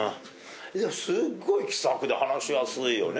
すっごい気さくで話しやすいよね。